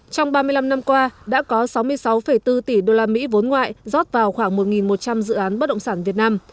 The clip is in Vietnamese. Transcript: trong ba mươi năm năm qua đã có sáu mươi sáu bốn tỷ usd vốn ngoại rót vào khoảng một một trăm linh dự án bất động sản việt nam